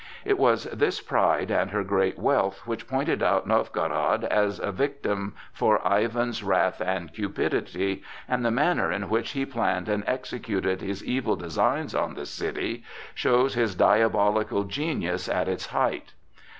It was this pride and her great wealth which pointed out Novgorod as a victim for Ivan's wrath and cupidity, and the manner in which he planned and executed his evil designs on the city shows his diabolical genius at its height.